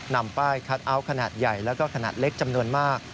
นำป้ายคัทเอาท์ขนาดใหญ่แล้วก็ขนาดเล็กจำนวนมาก